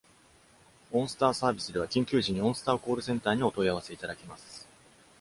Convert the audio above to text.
OnStar サービスでは、緊急時に OnStar コールセンターにお問い合わせいただけます。